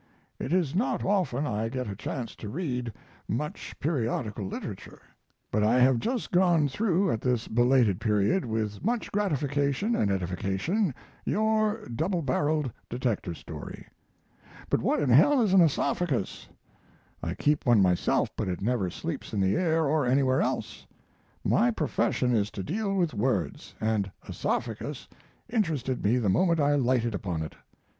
"It is not often I get a chance to read much periodical literature, but I have just gone through at this belated period, with much gratification and edification, your 'Double Barrelled Detective Story.' "But what in hell is an oesophagus? I keep one myself, but it never sleeps in the air or anywhere else. My profession is to deal with words, and oesophagus interested me the moment I lighted upon it.